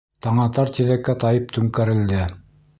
Таңатар тиҙәккә тайып түңкәрелде.